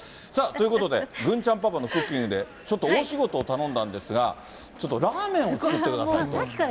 さあ、ということで、郡ちゃんパパのクッキングで、ちょっと大仕事を頼んだんですが、ちょっと、ラーメンを作ってくださいと。